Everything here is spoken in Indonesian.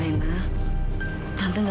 alena tante gak tau